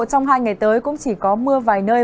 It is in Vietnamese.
trong hai ngày tới cũng chỉ có mưa vài nơi